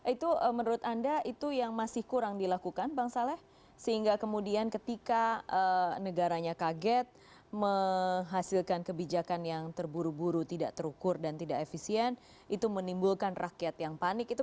itu menurut anda itu yang masih kurang dilakukan bang saleh sehingga kemudian ketika negaranya kaget menghasilkan kebijakan yang terburu buru tidak terukur dan tidak efisien itu menimbulkan rakyat yang panik itu